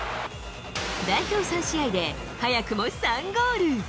代表３試合で早くも３ゴール。